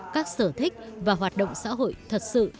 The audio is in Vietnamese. các sở thích và hoạt động xã hội thật sự